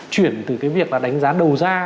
chuyển từ cái việc là đánh giá đầu ra